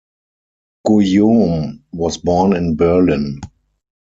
Guillaume was born in Berlin.